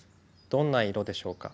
どんな色でしょうか？